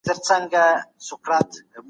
مطالعه د شعور کچه لوړوي.